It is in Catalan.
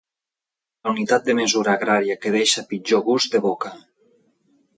La unitat de mesura agrària que deixa pitjor gust de boca.